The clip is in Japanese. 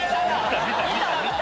・見た見た。